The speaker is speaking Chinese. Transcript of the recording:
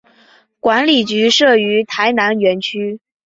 管理局设于台南园区。